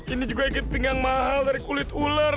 ini juga ikut pinggang mahal dari kulit ular